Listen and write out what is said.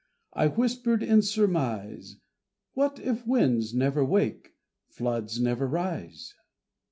I whispered in surmise, "What if winds never wake, floods never rise?"